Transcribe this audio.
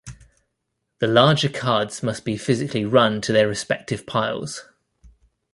The larger cards must be physically run to their respective piles.